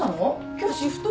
今日シフト？